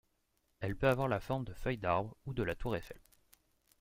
Elle peut avoir la forme de feuilles d'arbre ou de la Tour Eiffel.